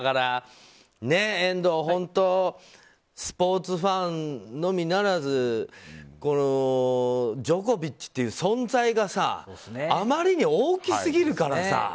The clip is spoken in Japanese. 遠藤、本当スポーツファンのみならずジョコビッチっていう存在があまりに大きすぎるからさ。